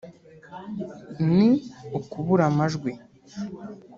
ni ukubura amajwi